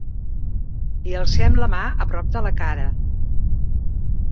Li alcem la mà a prop de la cara.